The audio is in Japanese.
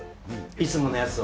いつものやつを。